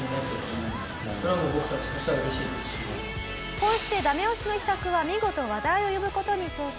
こうしてダメ押しの秘策は見事話題を呼ぶ事に成功。